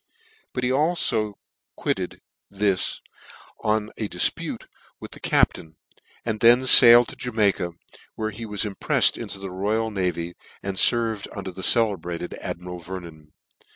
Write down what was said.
This he alfo quitted, on a difpute with the captain, and then failed to Jamaica, where he was impreifed into ehe royal navy, and ferved under the celebrated admiral Vernon.